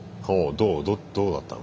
どうどうだったの？